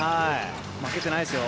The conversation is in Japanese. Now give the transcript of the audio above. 負けてないですよ。